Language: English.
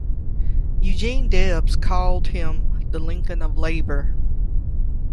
Eugene Debs called him the Lincoln of Labor.